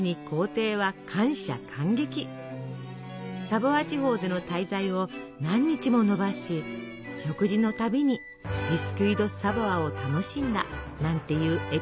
サヴォワ地方での滞在を何日も延ばし食事の度にビスキュイ・ド・サヴォワを楽しんだなんていうエピソードも。